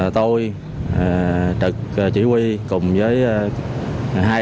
tôi trực chỉ huy cùng với hai đồng chí